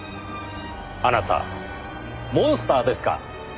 あなたモンスターですか？